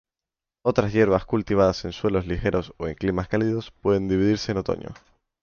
Otras hierbas cultivadas en suelos ligeros o en climas cálidos, pueden dividirse en otoño.